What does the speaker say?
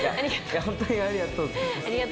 いやほんとにありがとうございます。